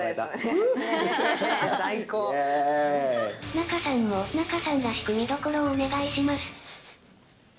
仲さんも、仲さんらしく見どころをお願いします。